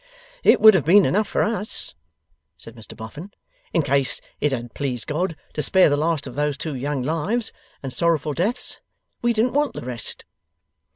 'It would have been enough for us,' said Mr Boffin, 'in case it had pleased God to spare the last of those two young lives and sorrowful deaths. We didn't want the rest.